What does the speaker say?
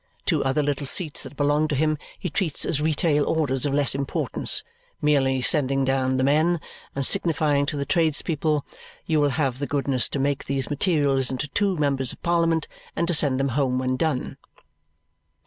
Two other little seats that belong to him he treats as retail orders of less importance, merely sending down the men and signifying to the tradespeople, "You will have the goodness to make these materials into two members of Parliament and to send them home when done."